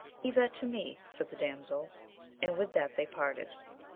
Leave that to me said the damsel, and with that they parted.